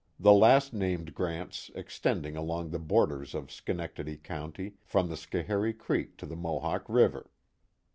the last named grants extending along the borders of Schenectady County, from Schoharie Creek to the Mohawk River.